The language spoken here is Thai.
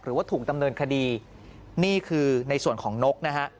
หรือว่าถูกดำเนินคดีนี่คือในส่วนของนกนะฮะ